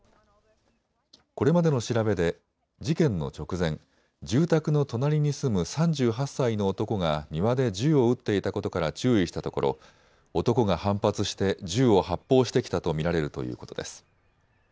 これまでの調べで事件の直前、住宅の隣に住む３８歳の男が庭で銃を撃っていたことから注意したところ、男が反発して銃を発砲してきたと見られるということです。